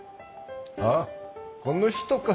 ああこの人か。